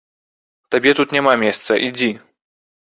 Табе тут няма месца, ідзі!